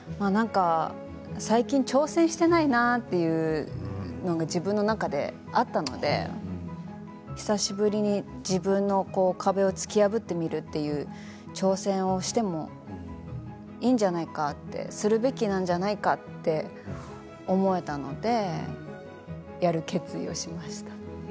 最近、挑戦してないなというのが自分の中であったので久しぶりに自分の壁を突き破ってみるという挑戦をしてもいいんじゃないかってするべきなんじゃないかって思えたので、やる決意をしました。